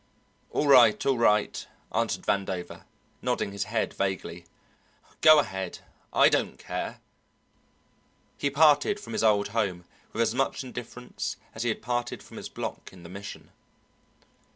"All right, all right," answered Vandover, nodding his head vaguely. "Go ahead, I don't care." He parted from his old home with as much indifference as he had parted from his block in the Mission.